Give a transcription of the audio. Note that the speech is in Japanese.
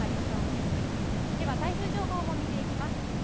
では、台風情報も見ていきます。